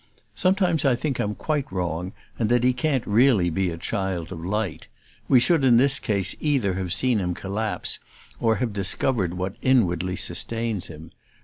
Sometimes I think I'm quite wrong and that he can't really be a child of light: we should in this case either have seen him collapse or have discovered what inwardly sustains him.